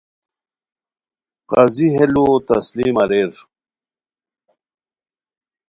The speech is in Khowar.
قاضی ہے لو تسلیم اریر